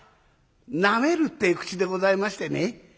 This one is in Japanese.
なめるってえ口でございましてね。